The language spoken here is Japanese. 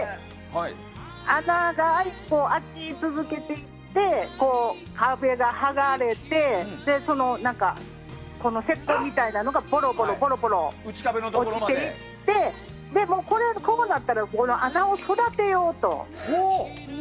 穴が開き続けてきて壁が剥がれて石こうみたいなのがボロボロ落ちていってこうなってら穴を育てようと。